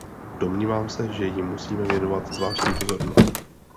Domnívám se, že jí musíme věnovat zvláštní pozornost.